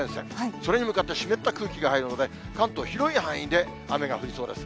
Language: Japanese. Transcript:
それに向かって湿った空気が入るので、関東、広い範囲で雨が降りそうです。